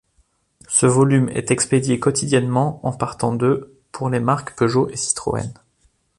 Ce volume est expédié quotidiennement en partant de pour les marques Peugeot et Citroën.